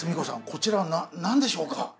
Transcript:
こちらなんでしょうか？